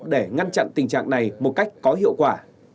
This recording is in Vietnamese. để ngăn chặn tình trạng này một cách có hiệu quả